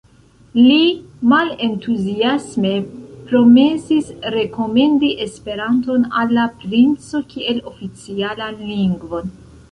Li malentuziasme promesis rekomendi Esperanton al la princo kiel oficialan lingvon.